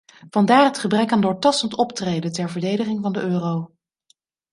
Vandaar het gebrek aan doortastend optreden ter verdediging van de euro.